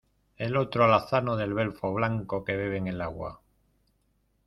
el otro alazano del belfo blanco que bebe en el agua.